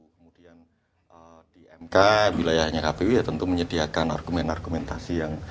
kemudian di mk wilayahnya kpu ya tentu menyediakan argumen argumentasi yang